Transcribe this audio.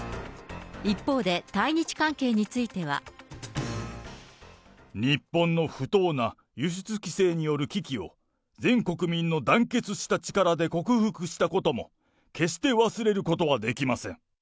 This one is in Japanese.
一方で、対日関係については。日本の不当な輸出規制による危機を全国民の団結した力で克服したことも、決して忘れることはできません。